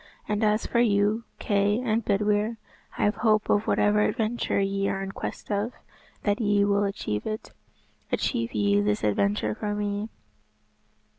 And as for you, Kay and Bedwyr, I have hope of whatever adventure ye are in quest of, that ye will achieve it. Achieve ye this adventure for me."